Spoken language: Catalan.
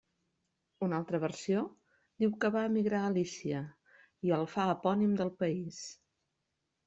Una altra versió diu que va emigrar a Lícia i el fa epònim del país.